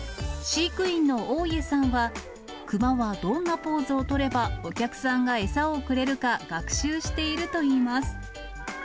飼育員の大家さんは、クマはどんなポーズをとれば、お客さんが餌をくれるか学習しているといいます。